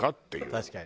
確かに。